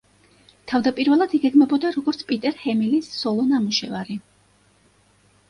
თავდაპირველად იგეგმებოდა, როგორც პიტერ ჰემილის სოლო ნამუშევარი.